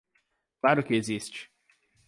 Claro que existe!